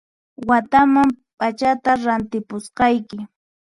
Wataman p'achata rantipusqayki